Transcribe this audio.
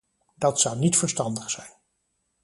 Dat zou niet verstandig zijn.